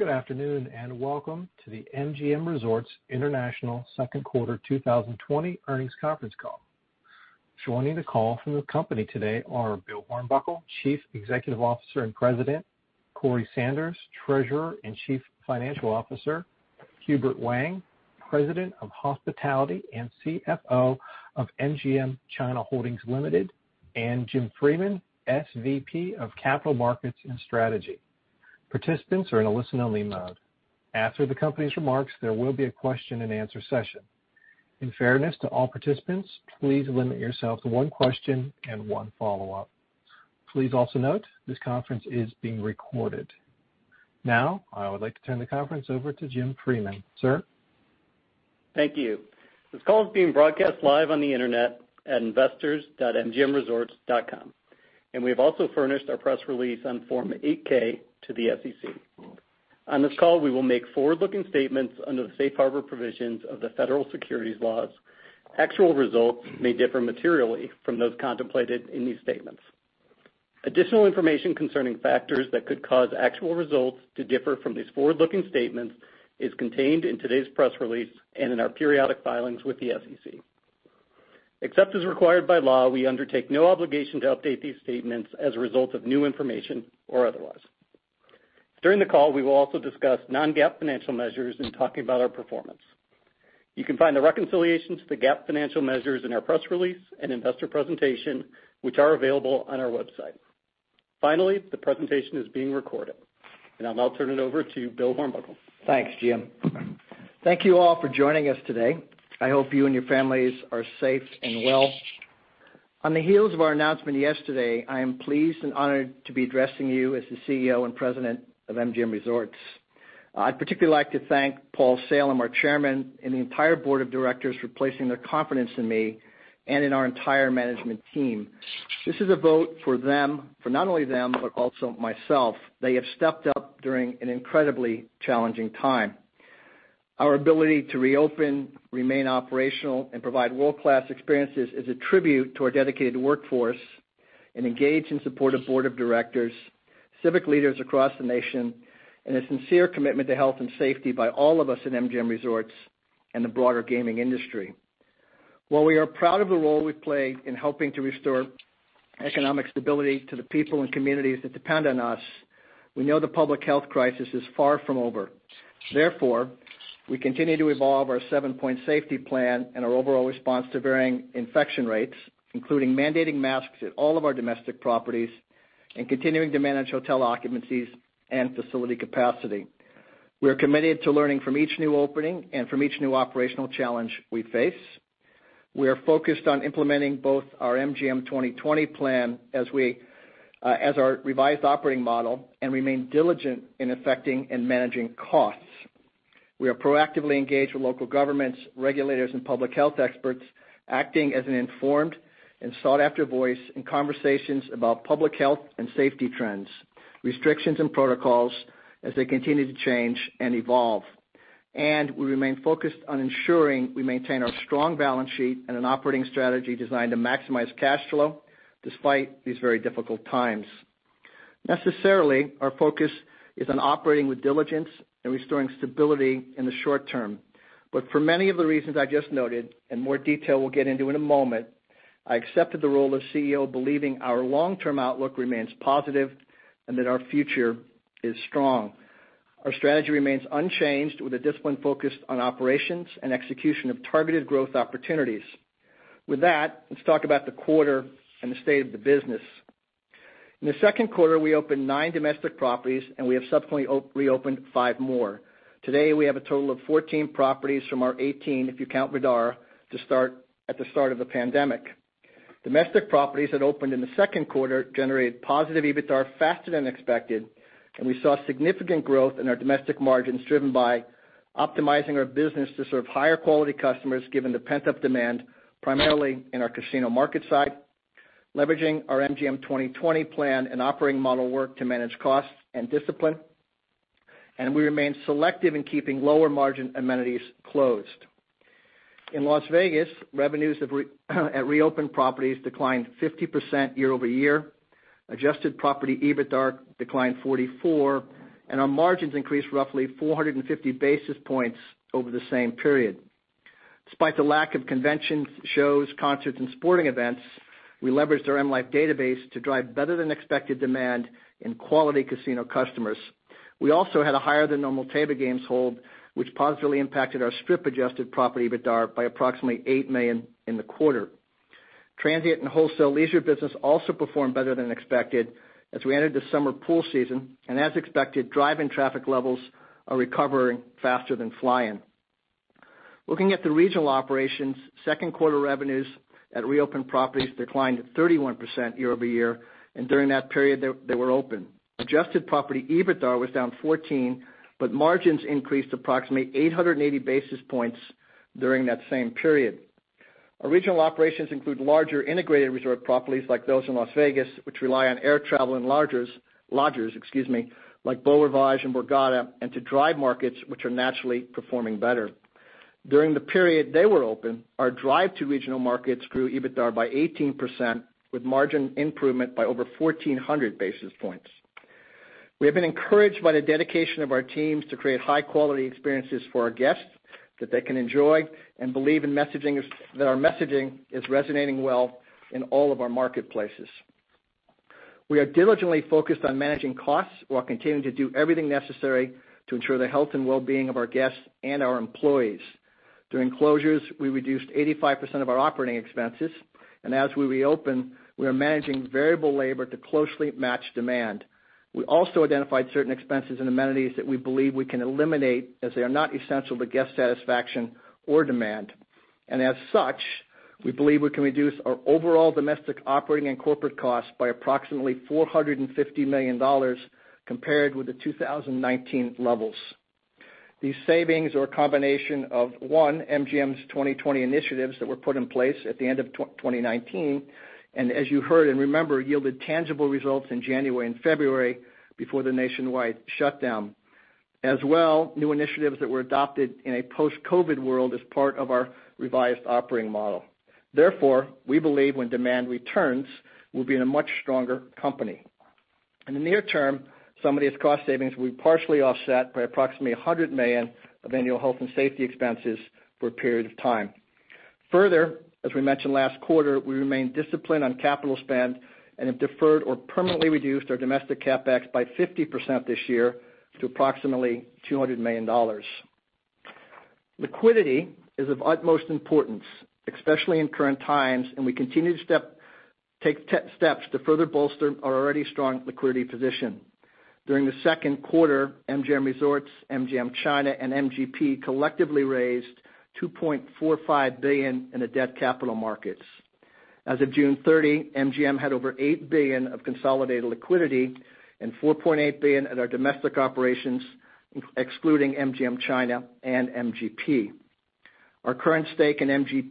Good afternoon, and welcome to the MGM Resorts International second quarter 2020 earnings conference call. Joining the call from the company today are Bill Hornbuckle, Chief Executive Officer and President, Corey Sanders, Treasurer and Chief Financial Officer, Hubert Wang, President of Hospitality and CFO of MGM China Holdings Limited, and Jim Freeman, SVP of Capital Markets and Strategy. Participants are in a listen-only mode. After the company's remarks, there will be a question and answer session. In fairness to all participants, please limit yourself to one question and one follow-up. Please also note this conference is being recorded. I would like to turn the conference over to Jim Freeman. Sir. Thank you. This call is being broadcast live on the internet at investors.mgmresorts.com, and we have also furnished our press release on Form 8-K to the SEC. On this call, we will make forward-looking statements under the safe harbor provisions of the Federal Securities Laws. Actual results may differ materially from those contemplated in these statements. Additional information concerning factors that could cause actual results to differ from these forward-looking statements is contained in today's press release and in our periodic filings with the SEC. Except as required by law, we undertake no obligation to update these statements as a result of new information or otherwise. During the call, we will also discuss non-GAAP financial measures in talking about our performance. You can find the reconciliation to the GAAP financial measures in our press release and investor presentation, which are available on our website. Finally, the presentation is being recorded. I'll now turn it over to Bill Hornbuckle. Thanks, Jim. Thank you all for joining us today. I hope you and your families are safe and well. On the heels of our announcement yesterday, I am pleased and honored to be addressing you as the CEO and President of MGM Resorts. I'd particularly like to thank Paul Salem, our chairman, and the entire board of directors for placing their confidence in me and in our entire management team. This is a vote for not only them, but also myself. They have stepped up during an incredibly challenging time. Our ability to reopen, remain operational, and provide world-class experiences is a tribute to our dedicated workforce, an engaged and supportive board of directors, civic leaders across the nation, and a sincere commitment to health and safety by all of us in MGM Resorts and the broader gaming industry. While we are proud of the role we play in helping to restore economic stability to the people and communities that depend on us, we know the public health crisis is far from over. Therefore, we continue to evolve our seven-point safety plan and our overall response to varying infection rates, including mandating masks at all of our domestic properties and continuing to manage hotel occupancies and facility capacity. We are committed to learning from each new opening and from each new operational challenge we face. We are focused on implementing both our MGM 2020 plan as our revised operating model and remain diligent in affecting and managing costs. We are proactively engaged with local governments, regulators, and public health experts, acting as an informed and sought-after voice in conversations about public health and safety trends, restrictions, and protocols as they continue to change and evolve. We remain focused on ensuring we maintain our strong balance sheet and an operating strategy designed to maximize cash flow despite these very difficult times. Necessarily, our focus is on operating with diligence and restoring stability in the short term. For many of the reasons I just noted, and more detail we'll get into in a moment, I accepted the role of CEO, believing our long-term outlook remains positive and that our future is strong. Our strategy remains unchanged, with a disciplined focus on operations and execution of targeted growth opportunities. With that, let's talk about the quarter and the state of the business. In the second quarter, we opened nine domestic properties, and we have subsequently reopened five more. Today, we have a total of 14 properties from our 18, if you count Vdara, at the start of the pandemic. Domestic properties that opened in the second quarter generated positive EBITDA faster than expected, and we saw significant growth in our domestic margins, driven by optimizing our business to serve higher-quality customers, given the pent-up demand, primarily in our casino market side, leveraging our MGM 2020 plan and operating model work to manage costs and discipline, and we remain selective in keeping lower-margin amenities closed. In Las Vegas, revenues at reopened properties declined 50% year-over-year. Adjusted property EBITDA declined 44%, and our margins increased roughly 450 basis points over the same period. Despite the lack of conventions, shows, concerts, and sporting events, we leveraged our M life database to drive better than expected demand in quality casino customers. We also had a higher than normal table games hold, which positively impacted our Strip adjusted property EBITDA by approximately $8 million in the quarter. Transient and wholesale leisure business also performed better than expected as we entered the summer pool season. As expected, drive-in traffic levels are recovering faster than fly-in. Looking at the regional operations, second quarter revenues at reopened properties declined 31% year-over-year and during that period they were open. Adjusted property EBITDA was down 14%, margins increased approximately 880 basis points during that same period. Our regional operations include larger integrated resort properties like those in Las Vegas, which rely on air travel and lodgers, excuse me, like Beau Rivage and Borgata, and to drive markets which are naturally performing better. During the period they were open, our drive to regional markets grew EBITDAR by 18%, with margin improvement by over 1,400 basis points. We have been encouraged by the dedication of our teams to create high-quality experiences for our guests that they can enjoy and believe that our messaging is resonating well in all of our marketplaces. We are diligently focused on managing costs while continuing to do everything necessary to ensure the health and well-being of our guests and our employees. During closures, we reduced 85% of our operating expenses, and as we reopen, we are managing variable labor to closely match demand. We also identified certain expenses and amenities that we believe we can eliminate as they are not essential to guest satisfaction or demand. As such, we believe we can reduce our overall domestic operating and corporate costs by approximately $450 million compared with the 2019 levels. These savings are a combination of, one, MGM's 2020 initiatives that were put in place at the end of 2019, and as you heard and remember, yielded tangible results in January and February before the nationwide shutdown. As well, new initiatives that were adopted in a post-COVID world as part of our revised operating model. Therefore, we believe when demand returns, we'll be in a much stronger company. In the near term, some of these cost savings will be partially offset by approximately $100 million of annual health and safety expenses for a period of time. Further, as we mentioned last quarter, we remain disciplined on capital spend and have deferred or permanently reduced our domestic CapEx by 50% this year to approximately $200 million. Liquidity is of utmost importance, especially in current times, and we continue to take steps to further bolster our already strong liquidity position. During the second quarter, MGM Resorts, MGM China, and MGP collectively raised $2.45 billion in the debt capital markets. As of June 30, MGM had over $8 billion of consolidated liquidity and $4.8 billion at our domestic operations, excluding MGM China and MGP. In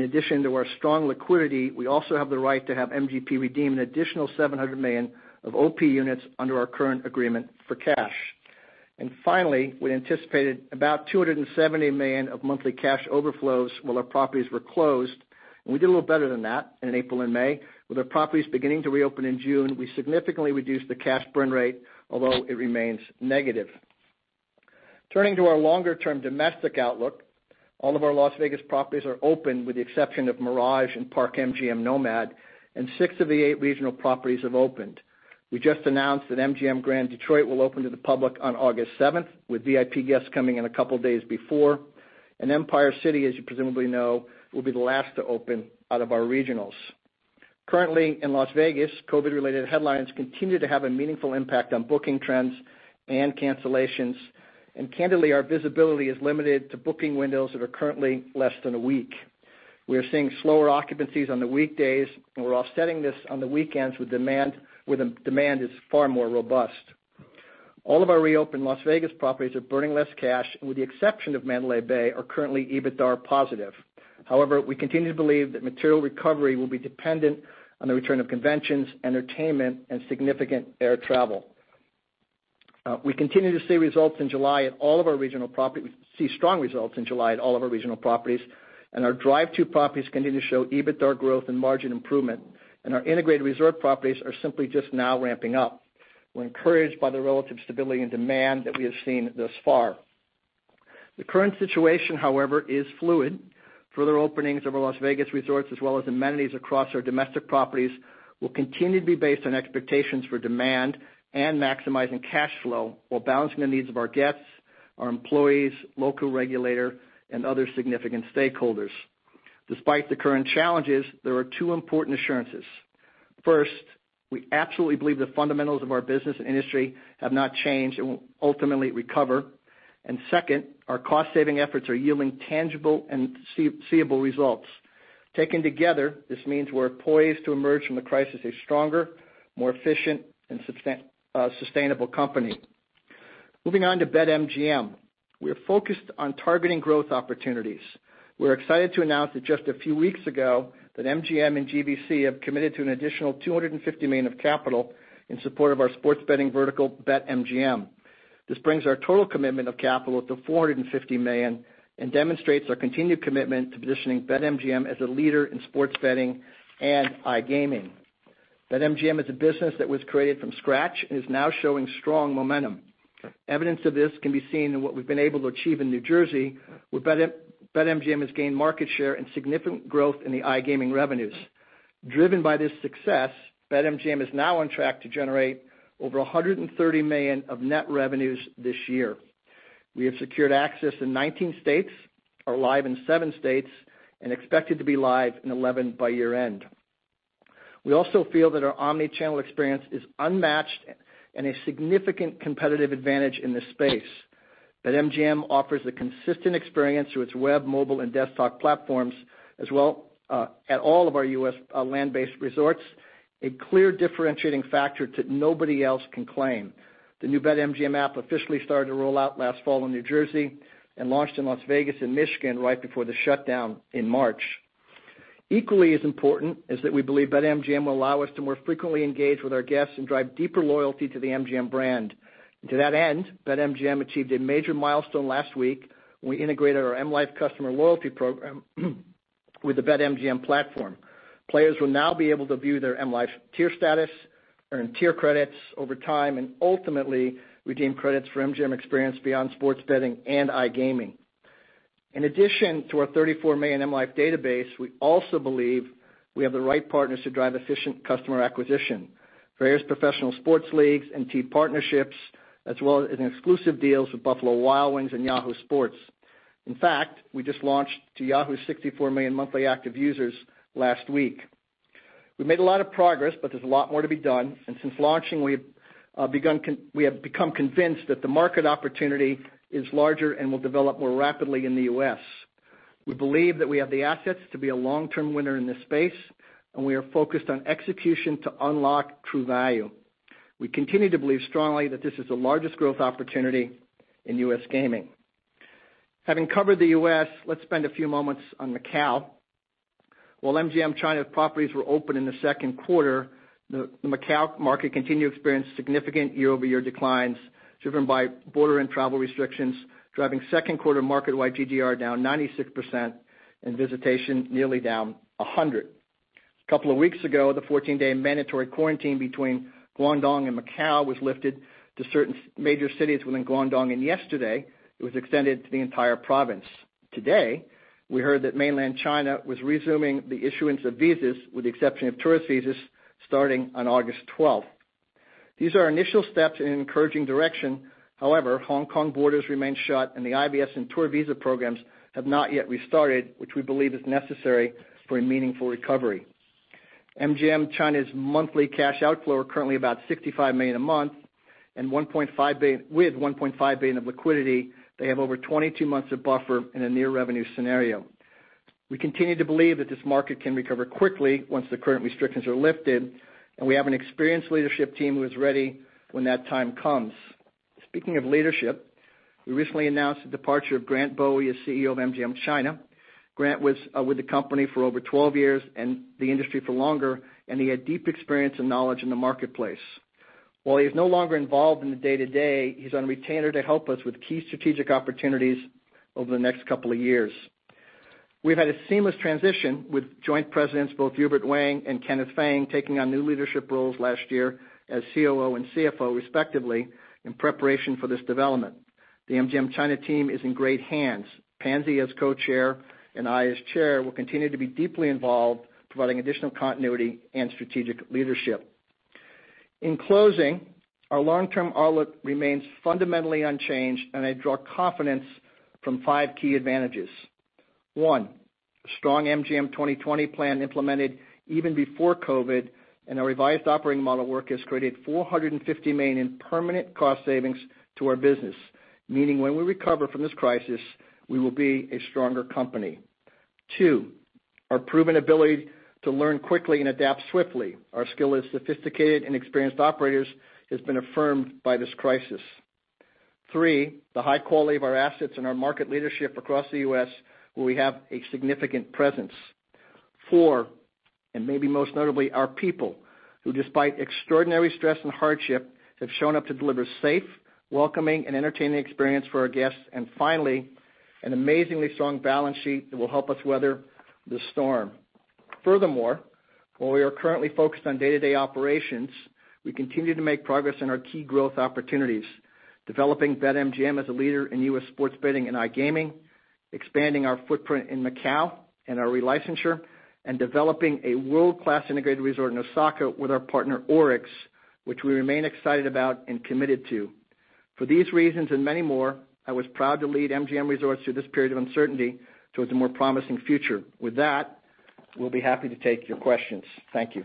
addition to our strong liquidity, we also have the right to have MGP redeem an additional $700 million of OP units under our current agreement for cash. Finally, we anticipated about $270 million of monthly cash outflows while our properties were closed, and we did a little better than that in April and May. With our properties beginning to reopen in June, we significantly reduced the cash burn rate, although it remains negative. Turning to our longer-term domestic outlook, all of our Las Vegas properties are open with the exception of Mirage and Park MGM NoMad, and six of the eight regional properties have opened. We just announced that MGM Grand Detroit will open to the public on August 7th, with VIP guests coming in a couple of days before. Empire City, as you presumably know, will be the last to open out of our regionals. Currently in Las Vegas, COVID-related headlines continue to have a meaningful impact on booking trends and cancellations. Candidly, our visibility is limited to booking windows that are currently less than a week. We are seeing slower occupancies on the weekdays, and we're offsetting this on the weekends where the demand is far more robust. All of our reopened Las Vegas properties are burning less cash and, with the exception of Mandalay Bay, are currently EBITDAR positive. However, we continue to believe that material recovery will be dependent on the return of conventions, entertainment, and significant air travel. We continue to see strong results in July at all of our regional properties, and our drive-to properties continue to show EBITDAR growth and margin improvement and our integrated resort properties are simply just now ramping up. We're encouraged by the relative stability and demand that we have seen thus far. The current situation, however, is fluid. Further openings of our Las Vegas resorts as well as amenities across our domestic properties will continue to be based on expectations for demand and maximizing cash flow while balancing the needs of our guests, our employees, local regulator, and other significant stakeholders. Despite the current challenges, there are two important assurances. First, we absolutely believe the fundamentals of our business and industry have not changed and will ultimately recover. Second, our cost-saving efforts are yielding tangible and seeable results. Taken together, this means we're poised to emerge from the crisis a stronger, more efficient, and sustainable company. Moving on to BetMGM. We're focused on targeting growth opportunities. We're excited to announce that just a few weeks ago, that MGM and GVC have committed to an additional $250 million of capital in support of our sports betting vertical, BetMGM. This brings our total commitment of capital to $450 million and demonstrates our continued commitment to positioning BetMGM as a leader in sports betting and iGaming. BetMGM is a business that was created from scratch and is now showing strong momentum. Evidence of this can be seen in what we've been able to achieve in New Jersey, where BetMGM has gained market share and significant growth in the iGaming revenues. Driven by this success, BetMGM is now on track to generate over $130 million of net revenues this year. We have secured access in 19 states, are live in seven states, and expected to be live in 11 by year-end. We also feel that our omni-channel experience is unmatched and a significant competitive advantage in this space. BetMGM offers a consistent experience through its web, mobile, and desktop platforms, as well at all of our U.S. land-based resorts, a clear differentiating factor that nobody else can claim. The new BetMGM app officially started to roll out last fall in New Jersey and launched in Las Vegas and Michigan right before the shutdown in March. Equally as important is that we believe BetMGM will allow us to more frequently engage with our guests and drive deeper loyalty to the MGM brand. To that end, BetMGM achieved a major milestone last week when we integrated our M life customer loyalty program with the BetMGM platform. Players will now be able to view their M life tier status, earn tier credits over time, and ultimately redeem credits for MGM experience beyond sports betting and iGaming. In addition to our 34 million M life database, we also believe we have the right partners to drive efficient customer acquisition, various professional sports leagues and team partnerships, as well as exclusive deals with Buffalo Wild Wings and Yahoo Sports. In fact, we just launched to Yahoo's 64 million monthly active users last week. We made a lot of progress, but there's a lot more to be done, and since launching, we have become convinced that the market opportunity is larger and will develop more rapidly in the U.S. We believe that we have the assets to be a long-term winner in this space, and we are focused on execution to unlock true value. We continue to believe strongly that this is the largest growth opportunity in U.S. gaming. Having covered the U.S., let's spend a few moments on Macau. While MGM China properties were open in the second quarter, the Macau market continued to experience significant year-over-year declines driven by border and travel restrictions, driving second quarter market-wide GGR down 96% and visitation nearly down 100%. A couple of weeks ago, the 14-day mandatory quarantine between Guangdong and Macau was lifted to certain major cities within Guangdong, and yesterday it was extended to the entire province. Today, we heard that mainland China was resuming the issuance of visas, with the exception of tourist visas, starting on August 12th. These are initial steps in an encouraging direction. However, Hong Kong borders remain shut, and the IVS and tour visa programs have not yet restarted, which we believe is necessary for a meaningful recovery. MGM China's monthly cash outflow are currently about $65 million a month, and with $1.5 billion of liquidity, they have over 22 months of buffer in a near revenue scenario. We continue to believe that this market can recover quickly once the current restrictions are lifted, and we have an experienced leadership team who is ready when that time comes. Speaking of leadership, we recently announced the departure of Grant Bowie as CEO of MGM China. Grant was with the company for over 12 years and the industry for longer, and he had deep experience and knowledge in the marketplace. While he is no longer involved in the day-to-day, he's on retainer to help us with key strategic opportunities over the next couple of years. We've had a seamless transition with joint presidents, both Hubert Wang and Kenneth Feng, taking on new leadership roles last year as COO and CFO, respectively, in preparation for this development. The MGM China team is in great hands. Pansy, as Co-Chair, and I, as Chair, will continue to be deeply involved, providing additional continuity and strategic leadership. In closing, our long-term outlook remains fundamentally unchanged, and I draw confidence from five key advantages. One, strong MGM 2020 plan implemented even before COVID, and our revised operating model work has created $450 million in permanent cost savings to our business, meaning when we recover from this crisis, we will be a stronger company. Two, our proven ability to learn quickly and adapt swiftly. Our skill as sophisticated and experienced operators has been affirmed by this crisis. Three, the high quality of our assets and our market leadership across the U.S., where we have a significant presence. Four, and maybe most notably, our people, who despite extraordinary stress and hardship, have shown up to deliver safe, welcoming, and entertaining experience for our guests. And finally, an amazingly strong balance sheet that will help us weather this storm. Furthermore, while we are currently focused on day-to-day operations, we continue to make progress in our key growth opportunities. Developing BetMGM as a leader in U.S. sports betting and iGaming, expanding our footprint in Macau and our relicensure, and developing a world-class integrated resort in Osaka with our partner ORIX, which we remain excited about and committed to. For these reasons and many more, I was proud to lead MGM Resorts through this period of uncertainty towards a more promising future. With that, we'll be happy to take your questions. Thank you.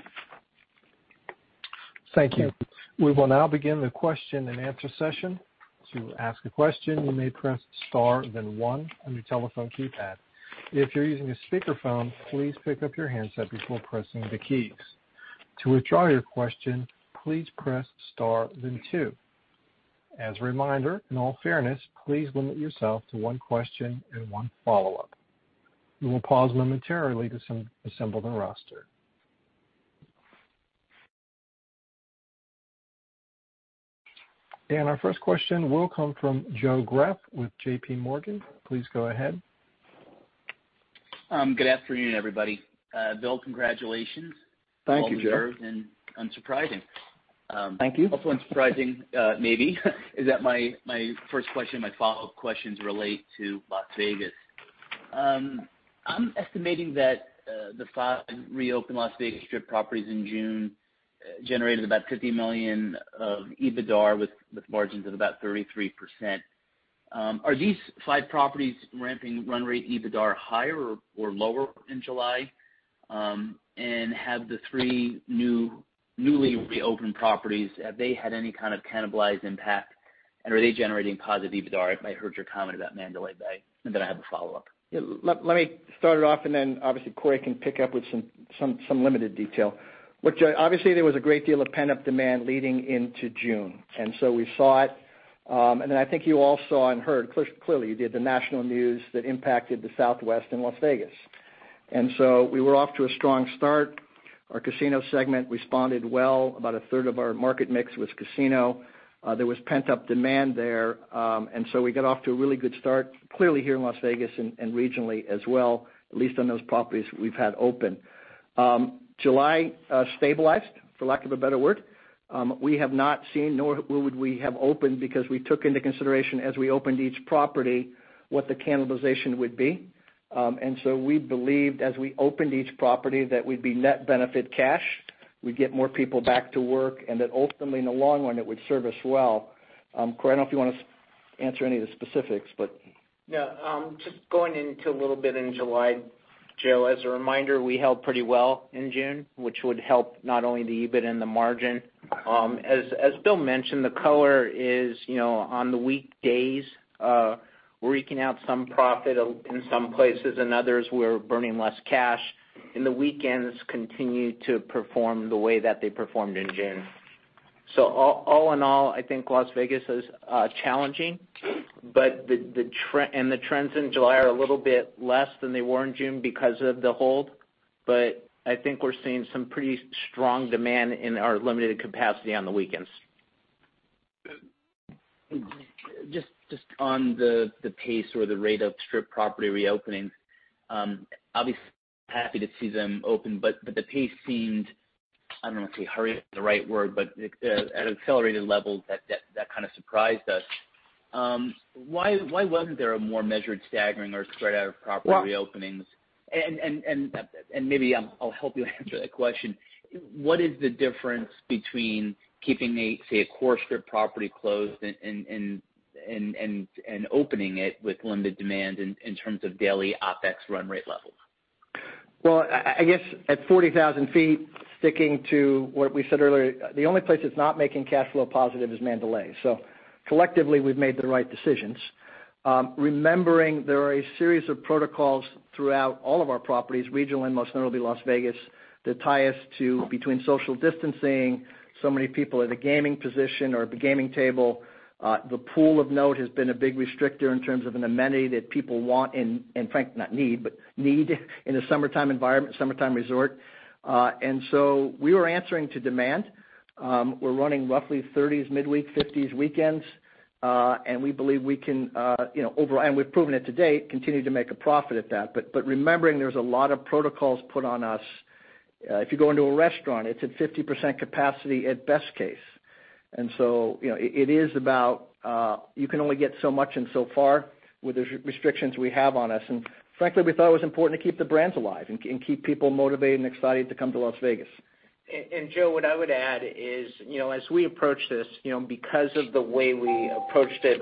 Thank you. We will now begin the question-and-answer session. To ask a question, you may press star then one on your telephone keypad. If you're using a speakerphone, please pick up your handset before pressing the keys. To withdraw your question, please press star then two. As a reminder, in all fairness, please limit yourself to one question and one follow-up. We will pause momentarily to assemble the roster. Our first question will come from Joe Greff with JPMorgan. Please go ahead. Good afternoon, everybody. Bill, congratulations. Thank you, Joe. Well deserved and unsurprising. Thank you. Also unsurprising, maybe, is that my first question, my follow-up questions relate to Las Vegas. I'm estimating that the five reopened Las Vegas Strip properties in June generated about $50 million of EBITDAR with margins of about 33%. Are these five properties ramping run rate EBITDAR higher or lower in July? Have the three newly reopened properties, have they had any kind of cannibalized impact, and are they generating positive EBITDAR? I heard your comment about Mandalay Bay, and then I have a follow-up. Let me start it off and then obviously Corey can pick up with some limited detail. Look Joe, obviously, there was a great deal of pent-up demand leading into June. We saw it. I think you all saw and heard clearly, the national news that impacted the Southwest and Las Vegas. We were off to a strong start. Our casino segment responded well. About a third of our market mix was casino. There was pent-up demand there. We got off to a really good start, clearly here in Las Vegas and regionally as well, at least on those properties we've had open. July stabilized, for lack of a better word. We have not seen, nor would we have opened because we took into consideration as we opened each property what the cannibalization would be. We believed as we opened each property, that we'd be net benefit cash, we'd get more people back to work, and that ultimately, in the long run, it would serve us well. Corey, I don't know if you want to answer any of the specifics. Just going into a little bit in July, Joe, as a reminder, we held pretty well in June, which would help not only the EBIT and the margin. As Bill mentioned, the color is on the weekdays, we're eking out some profit in some places, and others we're burning less cash, and the weekends continue to perform the way that they performed in June. All in all, I think Las Vegas is challenging, and the trends in July are a little bit less than they were in June because of the hold. I think we're seeing some pretty strong demand in our limited capacity on the weekends. Just on the pace or the rate of Strip property reopenings, obviously happy to see them open, but the pace seemed, I don't know if hurry is the right word, but at an accelerated level that kind of surprised us. Why wasn't there a more measured staggering or spread out of property reopenings? Maybe I'll help you answer that question. What is the difference between keeping, say, a core Strip property closed and opening it with limited demand in terms of daily OpEx run rate level? I guess at 40,000 feet, sticking to what we said earlier, the only place that's not making cash flow positive is Mandalay. Collectively, we've made the right decisions. Remembering there are a series of protocols throughout all of our properties, regional and most notably Las Vegas, that tie us to between social distancing, so many people at a gaming position or a gaming table. The pool of note has been a big restrictor in terms of an amenity that people want, and frankly, not need, but need in a summertime environment, summertime resort. We were answering to demand. We're running roughly 30s midweek, 50s weekends, and we believe we can, and we've proven it to date, continue to make a profit at that. Remembering there's a lot of protocols put on us. If you go into a restaurant, it's at 50% capacity at best case. It is about you can only get so much and so far with the restrictions we have on us. Frankly, we thought it was important to keep the brands alive and keep people motivated and excited to come to Las Vegas. Joe, what I would add is, as we approach this, because of the way we approached it,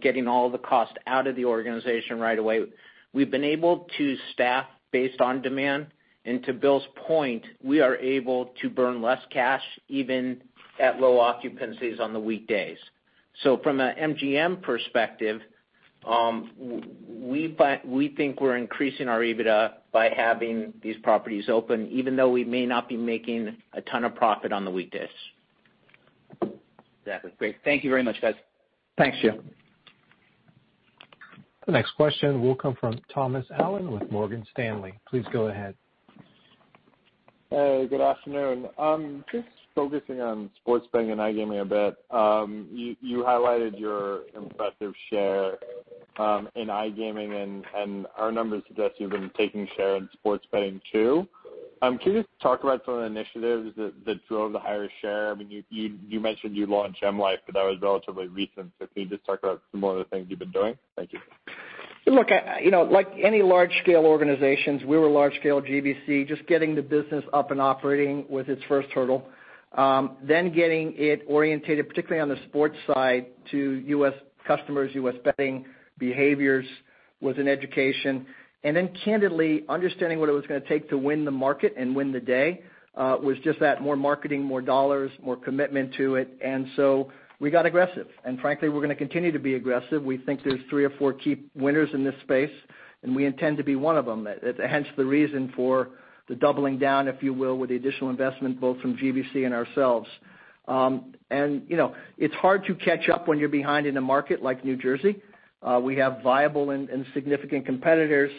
getting all the cost out of the organization right away, we've been able to staff based on demand. To Bill's point, we are able to burn less cash, even at low occupancies on the weekdays. From an MGM perspective, we think we're increasing our EBITDA by having these properties open, even though we may not be making a ton of profit on the weekdays. That was great. Thank you very much, guys. Thanks, Joe. The next question will come from Thomas Allen with Morgan Stanley. Please go ahead. Hey, good afternoon. Just focusing on sports betting and iGaming a bit. You highlighted your impressive share in iGaming, and our numbers suggest you've been taking share in sports betting, too. Can you just talk about some of the initiatives that drove the higher share? You mentioned you launched M life, that was relatively recent. Can you just talk about some more of the things you've been doing? Thank you. Look, like any large-scale organizations, we were a large-scale GVC. Just getting the business up and operating was its first hurdle. Getting it orientated, particularly on the sports side, to U.S. customers, U.S. betting behaviors, was an education. Candidly, understanding what it was going to take to win the market and win the day was just that, more marketing, more dollars, more commitment to it. We got aggressive, and frankly, we're going to continue to be aggressive. We think there's three or four key winners in this space, and we intend to be one of them. Hence the reason for the doubling down, if you will, with the additional investment, both from GVC and ourselves. It's hard to catch up when you're behind in a market like New Jersey. We have viable and significant competitors.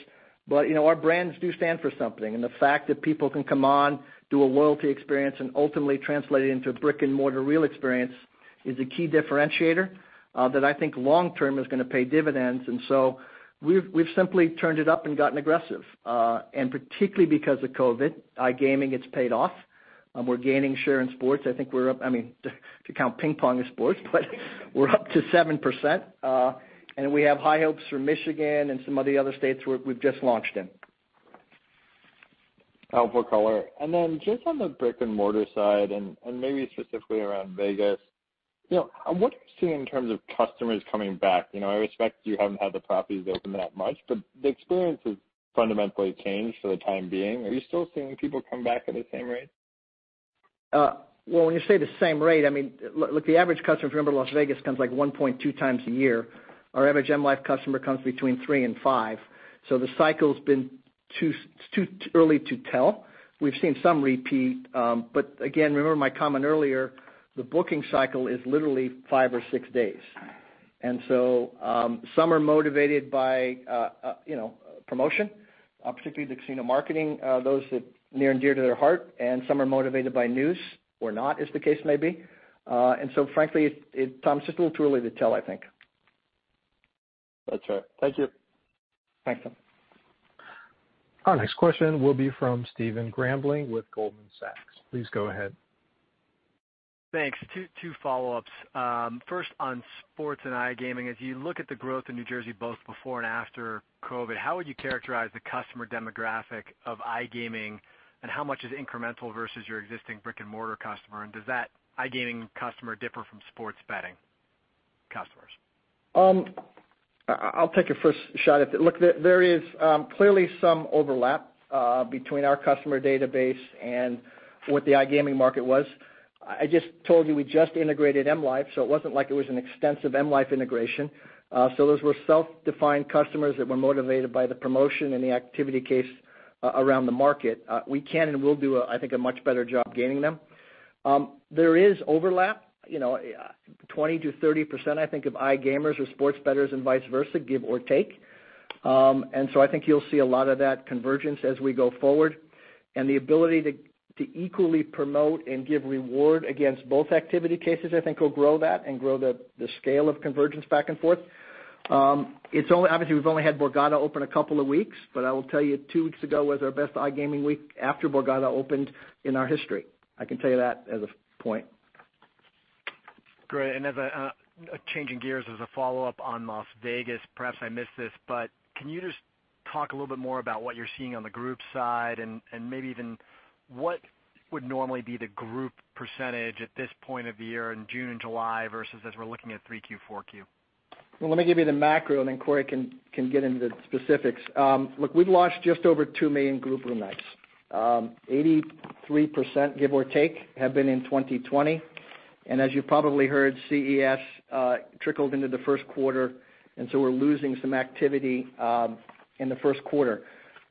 Our brands do stand for something, and the fact that people can come on, do a loyalty experience, and ultimately translate it into a brick-and-mortar real experience is a key differentiator that I think long term is going to pay dividends. We've simply turned it up and gotten aggressive. Particularly because of COVID, iGaming, it's paid off. We're gaining share in sports. If you count ping pong as sports, but we're up to 7%, and we have high hopes for Michigan and some of the other states where we've just launched in. Helpful color. Just on the brick-and-mortar side, and maybe specifically around Vegas, what are you seeing in terms of customers coming back? I respect that you haven't had the properties open that much, but the experience has fundamentally changed for the time being. Are you still seeing people come back at the same rate? Well, when you say the same rate, look, the average customer, if you remember, in Las Vegas comes like 1.2x a year. Our average M life customer comes between 3x and 5x. It's too early to tell. We've seen some repeat. Again, remember my comment earlier, the booking cycle is literally five or six days. Some are motivated by promotion, particularly the casino marketing, those that near and dear to their heart, and some are motivated by news or not, as the case may be. Frankly, Tom, it's just a little too early to tell, I think. That's right. Thank you. Thanks, Tom. Our next question will be from Stephen Grambling with Goldman Sachs. Please go ahead. Thanks. Two follow-ups. First, on sports and iGaming, as you look at the growth in New Jersey both before and after COVID, how would you characterize the customer demographic of iGaming, and how much is incremental versus your existing brick-and-mortar customer? Does that iGaming customer differ from sports betting customers? I'll take a first shot at that. Look, there is clearly some overlap between our customer database and what the iGaming market was. I just told you we just integrated M life, so it wasn't like it was an extensive M life integration. Those were self-defined customers that were motivated by the promotion and the activity case around the market. We can and will do, I think, a much better job gaining them. There is overlap, 20%-30%, I think, of iGamers are sports betters and vice versa, give or take. I think you'll see a lot of that convergence as we go forward. The ability to equally promote and give reward against both activity cases, I think, will grow that and grow the scale of convergence back and forth. Obviously, we've only had Borgata open a couple of weeks, but I will tell you, two weeks ago was our best iGaming week after Borgata opened in our history. I can tell you that as a point. Great. Changing gears as a follow-up on Las Vegas, perhaps I missed this, can you just talk a little bit more about what you're seeing on the group side and maybe even what would normally be the group percentage at this point of the year in June and July versus as we're looking at 3Q, 4Q? Let me give you the macro, and then Corey can get into the specifics. Look, we've lost just over $2 million group room nights. 83%, give or take, have been in 2020. As you probably heard, CES trickled into the first quarter, we're losing some activity in the first quarter.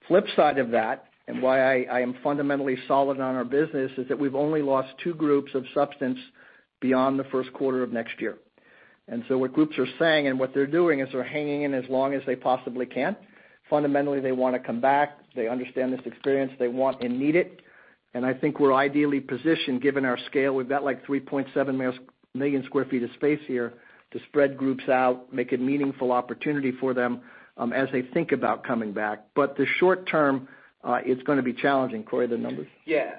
Flip side of that, why I am fundamentally solid on our business, is that we've only lost two groups of substance beyond the first quarter of next year. What groups are saying and what they're doing is they're hanging in as long as they possibly can. Fundamentally, they want to come back. They understand this experience. They want and need it. I think we're ideally positioned, given our scale. We've got, like, 3.7 million sq ft of space here to spread groups out, make a meaningful opportunity for them as they think about coming back. The short term, it's going to be challenging. Corey, the numbers. Yeah.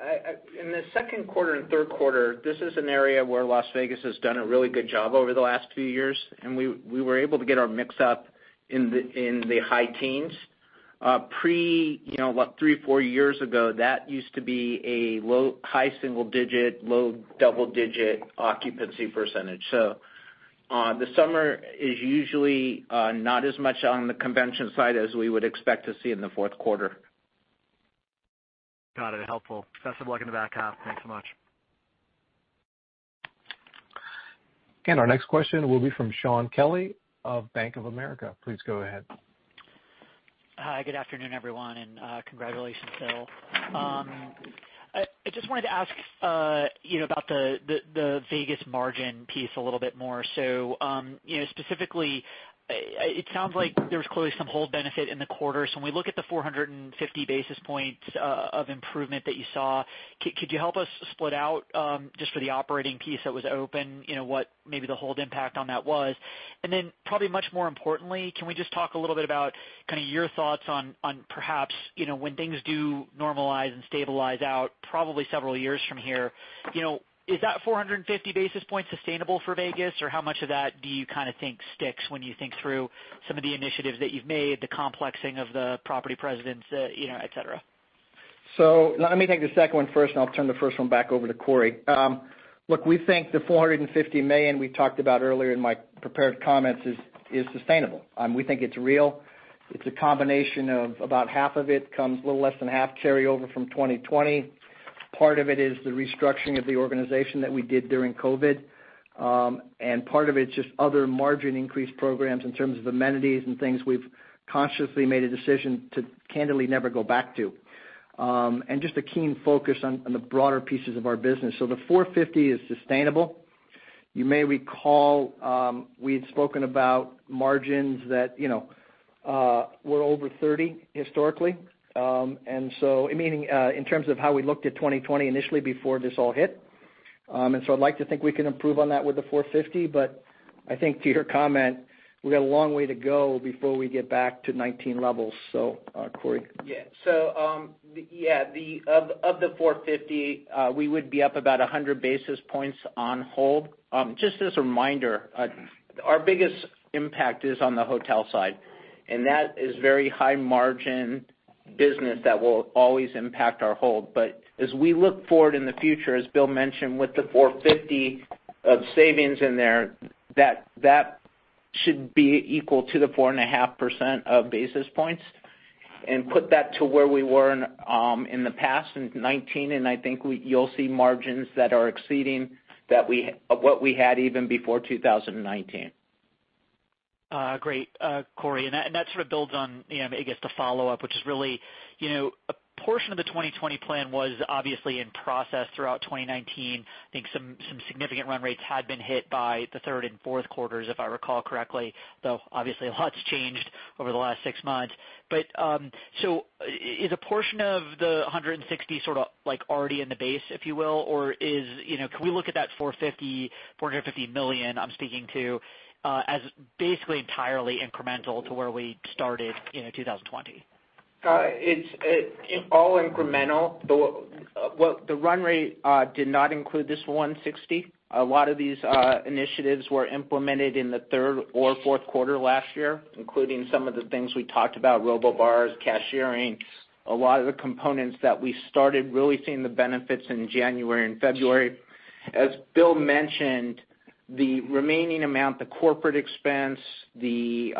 In the second quarter and third quarter, this is an area where Las Vegas has done a really good job over the last few years. We were able to get our mix up in the high teens. Pre three, four years ago, that used to be a high single digit, low double digit occupancy percentage. The summer is usually not as much on the convention side as we would expect to see in the fourth quarter. Got it. Helpful. Best of luck in the back half. Thanks so much. Our next question will be from Shaun Kelley of Bank of America. Please go ahead. Hi, good afternoon, everyone, congratulations, Bill. I just wanted to ask about the Vegas margin piece a little bit more. Specifically, it sounds like there was clearly some hold benefit in the quarter. When we look at the 450 basis points of improvement that you saw, could you help us split out, just for the operating piece that was open, what maybe the hold impact on that was? Probably much more importantly, can we just talk a little bit about kind of your thoughts on perhaps when things do normalize and stabilize out probably several years from here, is that 450 basis points sustainable for Vegas? How much of that do you kind of think sticks when you think through some of the initiatives that you've made, the complexing of the property presidents, et cetera? Let me take the second one first, and I'll turn the first one back over to Corey. Look, we think the $450 million we talked about earlier in my prepared comments is sustainable. We think it's real. It's a combination of about half of it comes, a little less than half, carryover from 2020. Part of it is the restructuring of the organization that we did during COVID. Part of it's just other margin increase programs in terms of amenities and things we've consciously made a decision to candidly never go back to, and just a keen focus on the broader pieces of our business. The 450 is sustainable. You may recall, we had spoken about margins that were over 30% historically, meaning in terms of how we looked at 2020 initially before this all hit. I'd like to think we can improve on that with the 450, but I think to your comment, we've got a long way to go before we get back to 2019 levels. Corey. Yeah. Of the 450, we would be up about 100 basis points on hold. Just as a reminder, our biggest impact is on the hotel side, and that is very high margin business that will always impact our hold. As we look forward in the future, as Bill mentioned, with the 450 of savings in there, that should be equal to the 4.5% of basis points. Put that to where we were in the past in 2019, and I think you'll see margins that are exceeding what we had even before 2019. Great, Corey. That sort of builds on, I guess, the follow-up, which is really, a portion of the 2020 Plan was obviously in process throughout 2019. I think some significant run rates had been hit by the third and fourth quarters, if I recall correctly, though, obviously, a lot's changed over the last six months. Is a portion of the $160 sort of already in the base, if you will, or can we look at that $450 million, I'm speaking to, as basically entirely incremental to where we started 2020? It's all incremental. The run rate did not include this $160. A lot of these initiatives were implemented in the third or fourth quarter last year, including some of the things we talked about, robo bars, cashiering, a lot of the components that we started really seeing the benefits in January and February. As Bill mentioned, the remaining amount, the corporate expense, the